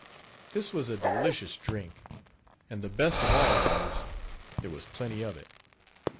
This was a delicious drink, and the best of all was, there was plenty of it.